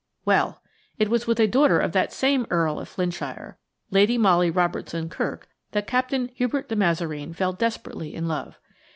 Well! it was with a daughter of that same Earl of Flintshire, Lady Molly Robertson Kirk, that Captain Hubert de Mazareen fell desperately in love.